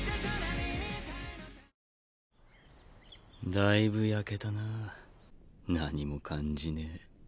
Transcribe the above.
だいぶ焼けたな何も感じねぇ。